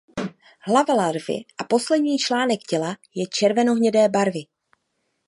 Hlava larvy a poslední článek těla je červenohnědé barvy.